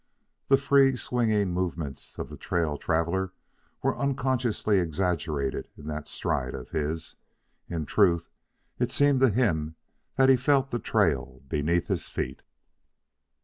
The free, swinging movements of the trail traveler were unconsciously exaggerated in that stride of his. In truth, it seemed to him that he felt the trail beneath his feet.